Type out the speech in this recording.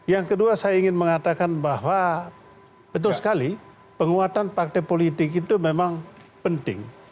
yang kedua saya ingin mengatakan bahwa betul sekali penguatan partai politik itu memang penting